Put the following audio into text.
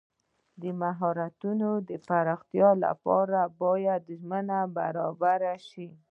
د مهارتونو د پراختیا لپاره باید زمینه برابره شي.